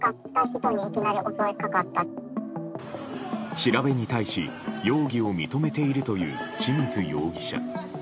調べに対し、容疑を認めているという清水容疑者。